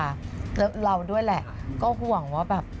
แล้วเราด้วยแหละก็ห่วงว่าแบบ